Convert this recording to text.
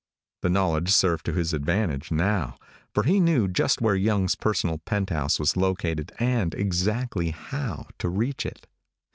The knowledge served to his advantage now, for he knew just where Young's personal penthouse was located and exactly how to reach it.